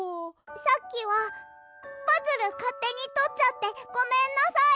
さっきはパズルかってにとっちゃってごめんなさい！